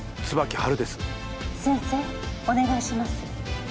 先生、お願いします。